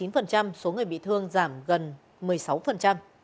số người bị thương giảm gần một mươi sáu